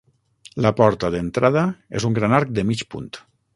La porta d'entrada és un gran arc de mig punt.